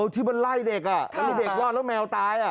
ที่มันไล่เด็กแล้วเด็กรอดแล้วแมวตาย